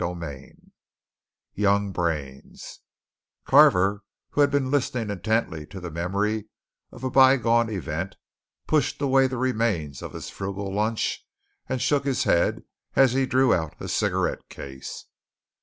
CHAPTER XV YOUNG BRAINS Carver, who had been listening intently to the memory of a bygone event, pushed away the remains of his frugal lunch, and shook his head as he drew out a cigarette case.